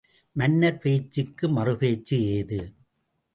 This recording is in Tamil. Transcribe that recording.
மன்னர் பேச்சுக்கு மறுபேச்சு ஏது?